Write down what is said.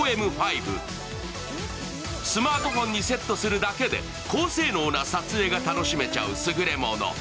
スマートフォンにセットするだけで高性能な撮影が楽しめちゃうスグレモノ。